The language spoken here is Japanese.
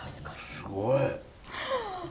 すごい。